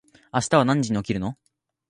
明日は何時に起きるの？